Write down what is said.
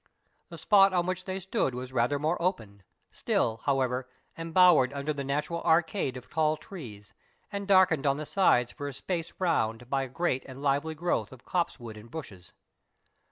The spot on which they stood was rather more open; still, however, embowered under the natural arcade of tall trees, and darkened on the sides for a space around by a great and lively growth of copse wood and bushes.